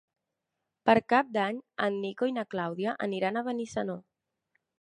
Per Cap d'Any en Nico i na Clàudia aniran a Benissanó.